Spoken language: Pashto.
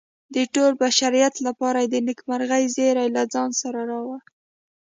د ټول بشریت لپاره یې د نیکمرغۍ زیری له ځان سره راوړ.